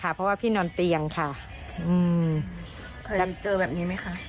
เพราะว่าพี่นอนเตียงค่ะเคยเจอแบบนี้ไหมคะ